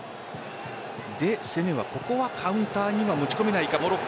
攻めは、ここはカウンターには持ち込めないかモロッコ。